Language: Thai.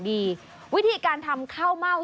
วิธีการทำข้าวเม่า